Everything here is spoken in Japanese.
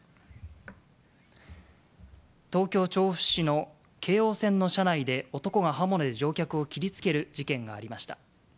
東京・調布市の京王線の車内で男が刃物で乗客を切りつける事件がありました。